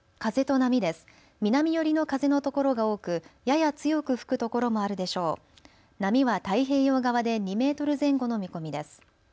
波は太平洋側で２メートル前後の見込みです。